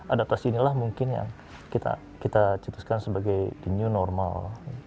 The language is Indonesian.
adaptasi inilah mungkin yang kita citaskan sebagai the new normal